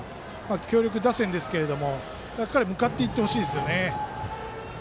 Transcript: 強力打線ですけれども向かっていってほしいですよね。